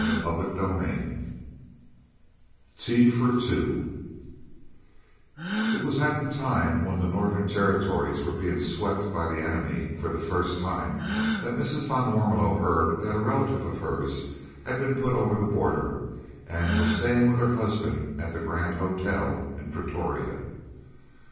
CHAPTER XXXI "TEA FOR TWO" It was at the time when the northern territories were being swept by the enemy for the first time that Mrs. van Warmelo heard that a relative of hers had been put over the border, and was staying with her husband at the Grand Hotel in Pretoria.